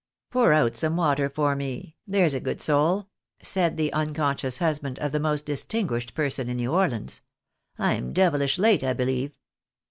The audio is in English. " Pour out some water for me, there's a good soul," said the unconscious husband of the most distinguished person in New Orleans ;" I'm devilish late, I believe."